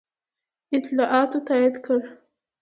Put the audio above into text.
اطلاعاتو تایید کړه.